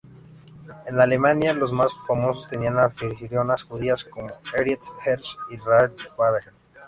En Alemania, los más famosos tenían anfitrionas judías, como Henriette Herz y Rahel Varnhagen.